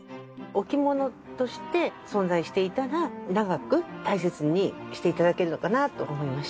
置物として存在していたら長く大切にして頂けるのかなと思いまして。